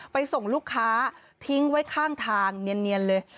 ส่งลูกค้าทิ้งไว้ข้างทางเนียนเลย